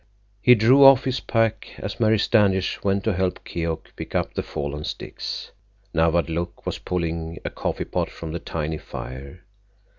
He drew off his pack as Mary Standish went to help Keok pick up the fallen sticks. Nawadlook was pulling a coffee pot from the tiny fire.